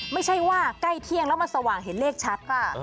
ไม่ใช่ว่าใกล้เที่ยงแล้วมาสว่างเห็นเลขชัดค่ะ